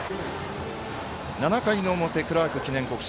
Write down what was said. ７回の表、クラーク記念国際。